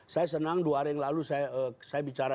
saya senang dua hari yang lalu saya bicara